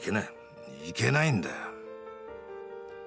いけないんだ！